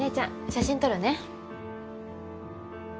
写真撮るね。